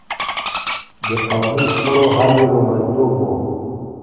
د قومي شخړو حل يې لومړيتوب و.